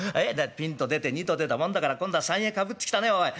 ピンと出て二と出たもんだから今度は三へかぶってきたねおい。